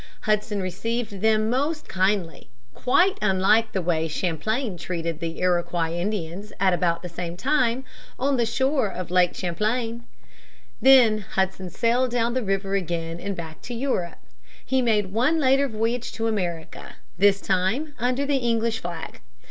Hudson received them most kindly quite unlike the way Champlain treated other Iroquois Indians at about the same time, on the shore of Lake Champlain (p. 20). Then Hudson sailed down the river again and back to Europe. He made one later voyage to America, this time under the English flag.